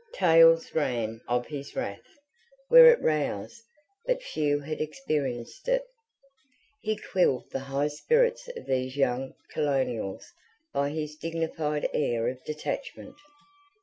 Tales ran of his wrath, were it roused; but few had experienced it. He quelled the high spirits of these young [P.93] colonials by his dignified air of detachment.